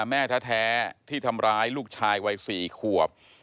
แม่แท้ที่ทำร้ายลูกชายวัย๔ขวบ